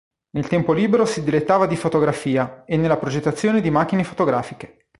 Nel tempo libero si dilettava di fotografia e nella progettazione di macchine fotografiche.